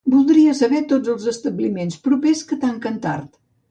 Voldria saber tots els establiments propers que tanquen tard.